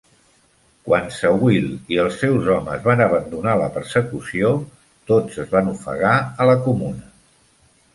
Quan Sawyl i els seus homes van abandonar la persecució, tots es van ofegar a la comuna.